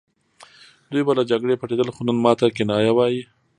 دوی به له جګړې پټېدل خو نن ماته کنایه وايي